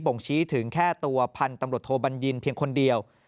่งชี้ถึงแค่ตัวพันธุ์ตำรวจโทบัญญินเพียงคนเดียว